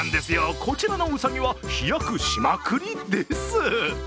こちらのうさぎは飛躍しまくりです。